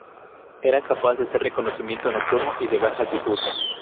Era capaz de hacer reconocimiento nocturno y de baja altitud.